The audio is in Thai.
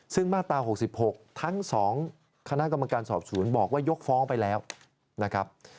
ซึ่งมาตรา๖๖ทั้ง๒คณะกรรมการสอบสวนบอกว่ายกฟ้องไปแล้วนะครับ